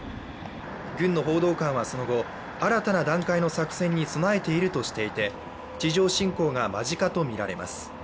軍の報道官はその後、新たな段階の作戦に備えているとしていて地上侵攻が間近とみられます。